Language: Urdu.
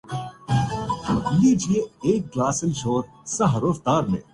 یقینااس فیصلے کے دور رس اثرات اثرات مرتب ہو ں گے۔